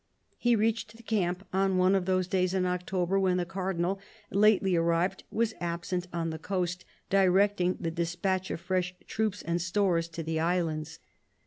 He reached the camp on one of those days in October when the Cardinal, lately arrived, was absent on the coast directing the despatch of fresh troops and stores to the islands.